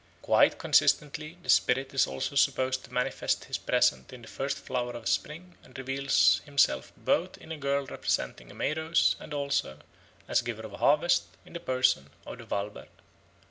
Quite consistently the spirit is also supposed to manifest his presence in the first flower of spring and reveals himself both in a girl representing a May rose, and also, as giver of harvest, in the person of the _Walber.